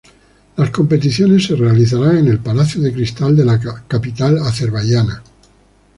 Las competiciones se realizarán en el Palacio de Cristal de la capital azerbaiyana.